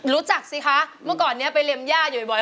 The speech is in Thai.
สิคะเมื่อก่อนนี้ไปเรียมย่าอยู่บ่อย